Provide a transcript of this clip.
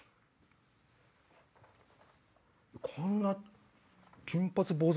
こんな金髪坊主